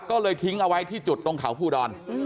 ก็เลยทิ้งเอาไว้ที่จุดตรงเขาภูดอน